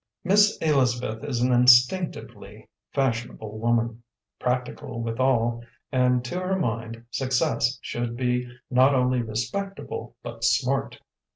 Miss Elizabeth is an instinctively fashionable woman, practical withal, and to her mind success should be not only respectable but "smart."